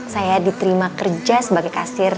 saya diterima kerja sebagai kasir